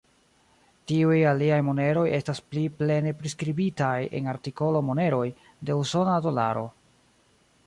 Tiuj aliaj moneroj estas pli plene priskribitaj en artikolo Moneroj de usona dolaro.